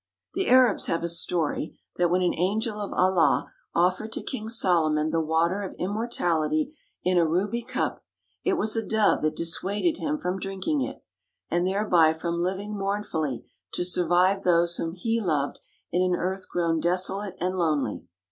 The Arabs have a story that when an angel of Allah offered to King Solomon the water of immortality in a ruby cup it was a dove that dissuaded him from drinking it, and thereby from living mournfully to survive those whom he loved in an earth grown desolate and lonely.